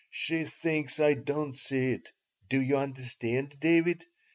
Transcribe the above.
"She thinks I don't see it. Do you understand, David?